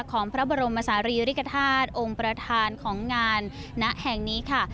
ของพระบรมศาลีริกฐาตุองค์ประธานของงานณแห่งนี้ค่ะ